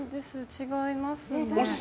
違いますね。